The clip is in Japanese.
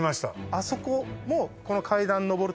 あそこも。